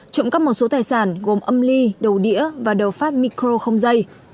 trộm cắp một số tài sản gồm âm ly đầu đĩa và đầu phát micro không dây